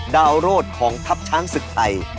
ดาวโรดของทัพช้างศึกไทย